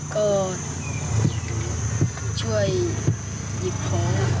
ก็ช่วยหล่อ